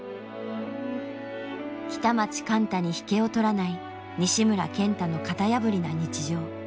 北町貫多に引けを取らない西村賢太の型破りな日常。